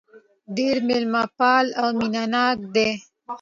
ډېر مېلمه پال او مينه ناک دي.